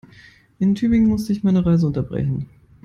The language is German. In Tübingen musste ich meine Reise unterbrechen